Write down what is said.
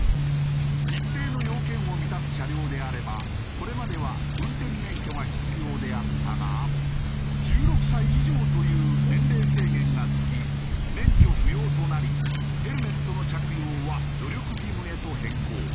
一定の要件を満たす車両であればこれまでは運転免許が必要であったが１６歳以上という年齢制限が付き免許不要となりヘルメットの着用は努力義務へと変更。